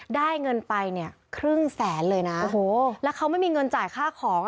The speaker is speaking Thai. ได้เงินไปเนี่ยครึ่งแสนเลยนะโอ้โหแล้วเขาไม่มีเงินจ่ายค่าของ